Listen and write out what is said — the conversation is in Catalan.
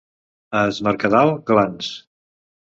A es Mercadal, glans.